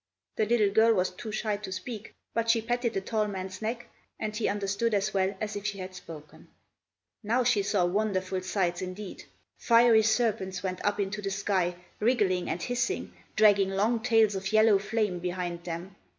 The little girl was too shy to speak, but she patted the tall man's neck, and he understood as well as if she had spoken. Now she saw wonderful sights indeed! Fiery serpents went up into the sky, wriggling and hissing, dragging long tails of yellow flame behind them.